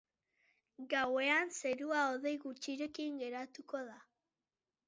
Gauean, zerua hodei gutxirekin geratuko da.